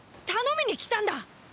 頼みに来たんだ！